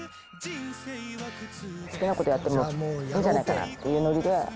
好きな事やってもいいんじゃないかなっていうノリで。